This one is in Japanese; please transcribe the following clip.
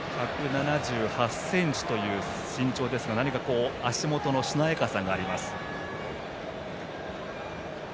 １７８ｃｍという身長ですが何か足元のしなやかさがあります。